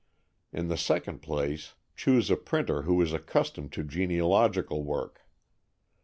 In the second place, choose a printer who is accustomed to genealogical work.